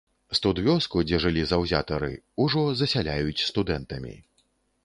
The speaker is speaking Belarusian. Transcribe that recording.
Студвёску, дзе жылі заўзятары, ужо засяляюць студэнтамі.